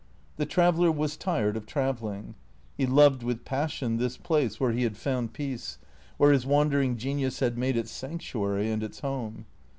The traveller was tired of travelling. He loved with passion this place where he had found peace, where his wandering genius had made its sanctuary and its home.